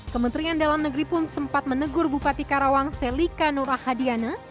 kementerian dalam negeri pun sempat menegur bupati karawang selika nurahadiana